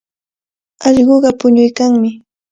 Allquqa puñuykanmi.